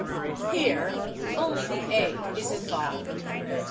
Here only the /a/ is involved.